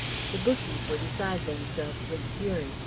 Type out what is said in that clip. The "bookies" were beside themselves with fury.